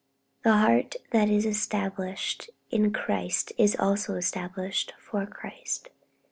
The heart that is established in Christ is also established for Christ.